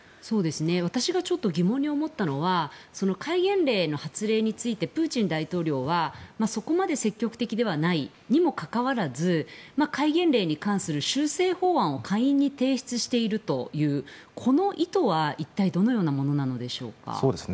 私がちょっと疑問に思ったのは戒厳令の発令についてプーチン大統領はそこまで積極的ではないにもかかわらず戒厳令に関する修正法案を下院に提出しているというこの意図はどのようなものなんでしょうか。